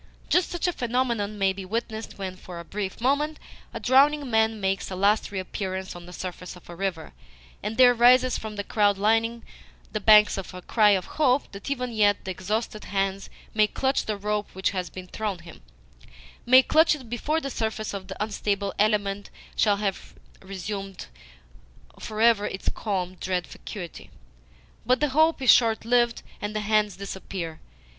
Just such a phenomenon may be witnessed when, for a brief moment, a drowning man makes a last re appearance on the surface of a river, and there rises from the crowd lining the banks a cry of hope that even yet the exhausted hands may clutch the rope which has been thrown him may clutch it before the surface of the unstable element shall have resumed for ever its calm, dread vacuity. But the hope is short lived, and the hands disappear.